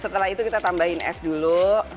setelah itu kita tambahin es dulu